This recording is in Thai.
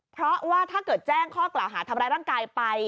เพราะว่าถ้าเกิดแจ้งข้อกล่าวหาทำร้ายร่างกายไป